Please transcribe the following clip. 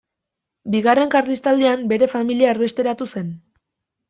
Bigarren Karlistaldian bere familia erbesteratu zen.